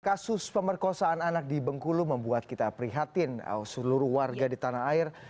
kasus pemerkosaan anak di bengkulu membuat kita prihatin seluruh warga di tanah air